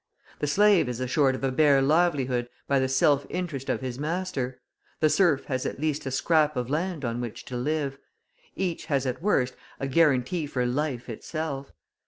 The slave is assured of a bare livelihood by the self interest of his master, the serf has at least a scrap of land on which to live; each has at worst a guarantee for life itself.